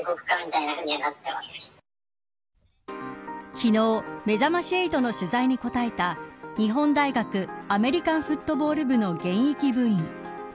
昨日、めざまし８の取材に答えた日本大学アメリカンフットボール部の現役部員。